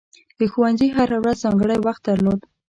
د ښوونځي هره ورځ ځانګړی وخت درلود.